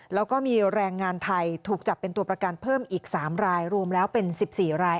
แล้วก็มีแรงงานไทยถูกจับเป็นตัวประกันเพิ่มอีก๓รายรวมแล้วเป็น๑๔ราย